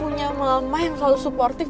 punya melemah yang selalu supportif